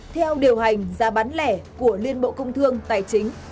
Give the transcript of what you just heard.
theo điều hành giá bán lẻ của liên bộ công thương tài chính